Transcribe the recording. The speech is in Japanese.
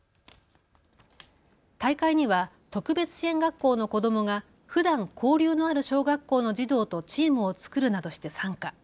大会には特別支援学校の子どもがふだん交流のある小学校の児童とチームを作るなどして参加。